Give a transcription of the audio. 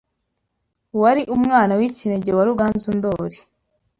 wari Umwana w’ ikinege wa Ruganzu Ndoli